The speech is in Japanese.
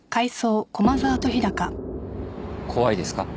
怖いですか？